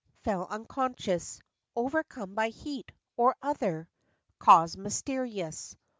fell unconscious, Overcome by heat, or other Cause mysterious.